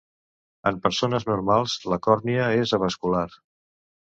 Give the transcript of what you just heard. En persones normals, la còrnia és avascular.